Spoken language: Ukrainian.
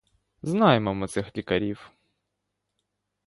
Знаємо ми цих лікарів.